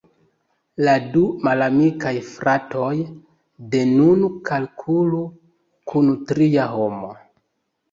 La du malamikaj fratoj de nun kalkulu kun tria homo.